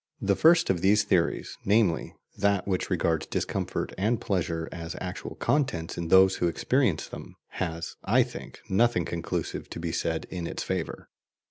The first of these theories, namely, that which regards discomfort and pleasure as actual contents in those who experience them, has, I think, nothing conclusive to be said in its favour.